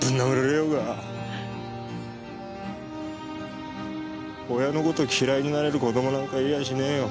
れようが親の事嫌いになれる子供なんかいやしねえよ。